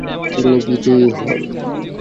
তিনি বিজয়ী হন।